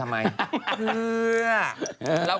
รักเพื่อนมาก